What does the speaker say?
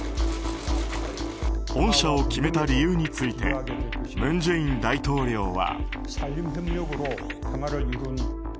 恩赦を決めた理由について文在寅大統領は。